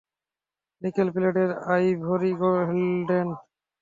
Nickel প্লেটের, ivory handle.